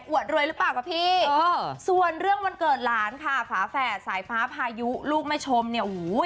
โอ้โหจะอวดรวยรึเปล่ากับพี่เออส่วนเรื่องวันเกิดหลานค่ะฝาแฝดสายฟ้าพายุลูกไม่ชมเนี่ยโอ้โห